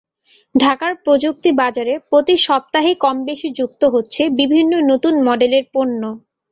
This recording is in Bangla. ঢাকার প্রযুক্তি বাজারে প্রতি সপ্তাহেই কমবেশি যুক্ত হচ্ছে বিভিন্ন নতুন মডেলের পণ্য।